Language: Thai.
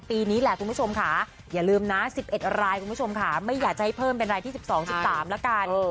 ปีนี้แหละคุณผู้ชมค่ะอย่าลืมนะ๑๑รายคุณผู้ชมค่ะไม่อยากจะให้เพิ่มเป็นรายที่๑๒๑๓แล้วกัน